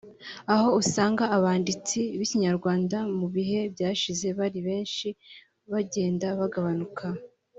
aho usanga abanditsi b’ikinyarwanda mu bihe bishize bari benshi bagenda bagabanuka